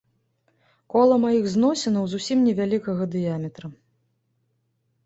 Кола маіх зносінаў зусім невялікага дыяметра.